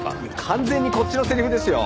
完全にこっちのせりふですよ！